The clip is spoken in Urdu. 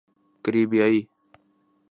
کریبیائی